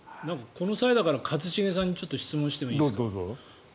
この際だから、一茂さんに質問してもいいですか？